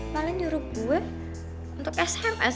malah nyuruh gue untuk sms